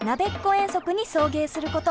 遠足に送迎すること。